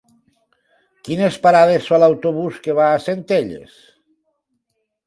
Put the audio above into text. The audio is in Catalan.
Quines parades fa l'autobús que va a Centelles?